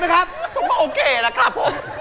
พี่น่าจะโอเคนะครับผม